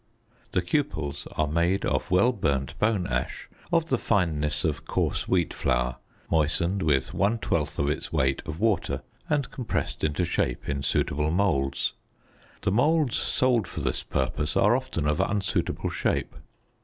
~The cupels~ are made of well burnt bone ash, of the fineness of coarse wheat flour, moistened with one twelfth its weight of water and compressed into shape in suitable moulds. The moulds sold for this purpose are often of unsuitable shape.